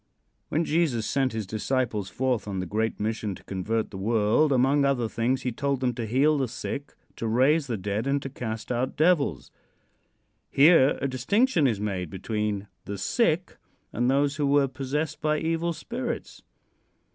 When Jesus sent his disciples forth on the great mission to convert the world, among other things he told them to heal the sick, to raise the dead and to cast out devils. Here a distinction is made between the sick and those who were possessed by evil spirits.